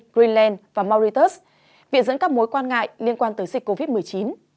greenland và mauritius biện dẫn các mối quan ngại liên quan tới dịch covid một mươi chín